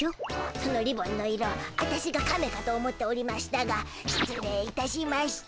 そのリボンの色ワタシがカメかと思っておりましたがしつ礼いたしました。